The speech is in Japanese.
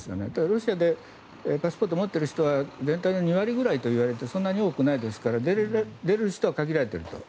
ロシアでパスポートを持っている人は全体の２割ぐらいといわれてそんなに多くないので出る人は限られていると。